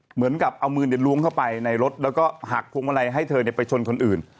เหมือนกับเอามือล้วงเข้าไปในรถแล้วก็หักพวงมาลัยให้เธอไปชนคนอื่น